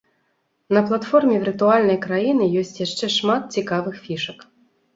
На платформе віртуальнай краіны ёсць яшчэ шмат цікавых фішак.